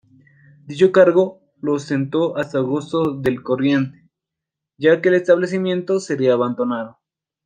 Dicho cargo lo ostentó hasta agosto del corriente, ya que el establecimiento sería abandonado.